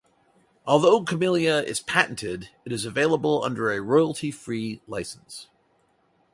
Although Camellia is patented, it is available under a royalty-free license.